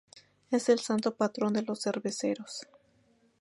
Es el santo patrón de los cerveceros.